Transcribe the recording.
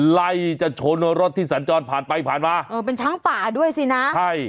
ไล่จะชนรถที่สัญจรผ่านไปผ่านมาเออเป็นช้างป่าด้วยสินะใช่